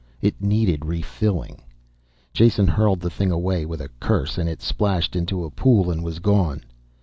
It needed refilling. Jason hurled the thing away with a curse, and it splashed into a pool and was gone.